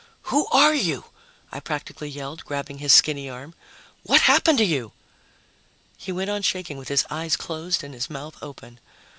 "Who are you?" I practically yelled, grabbing his skinny arm. "What happened to you?" He went on shaking with his eyes closed and his mouth open.